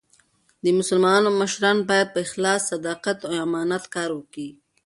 د مسلمانانو مشران باید په اخلاص، صداقت او امانت کار وکي.